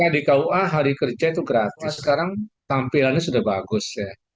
di kua hari kerja itu gratis